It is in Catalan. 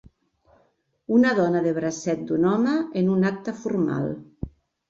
Una dona de bracet d'un home en un acte formal.